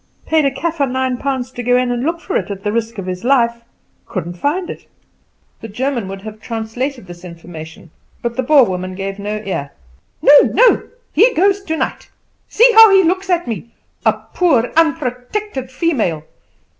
Paid a Kaffer nine pounds to go in and look for it at the risk of his life couldn't find it." The German would have translated this information, but the Boer woman gave no ear. "No, no; he goes tonight. See how he looks at me a poor unprotected female!